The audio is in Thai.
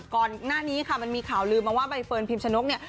ก่อนหน้านี้ค่ะมันมีข่าวลืมมาว่าใบเฟิร์นพิมชนกเนี่ย